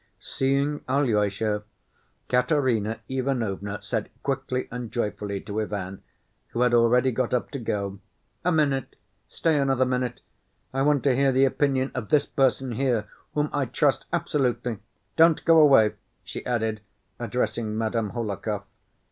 Seeing Alyosha, Katerina Ivanovna said quickly and joyfully to Ivan, who had already got up to go, "A minute! Stay another minute! I want to hear the opinion of this person here whom I trust absolutely. Don't go away," she added, addressing Madame Hohlakov.